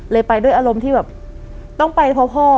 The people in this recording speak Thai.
ไปด้วยอารมณ์ที่แบบต้องไปเพราะพ่อ